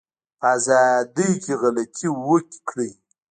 په ازادی کی غلطي وکړی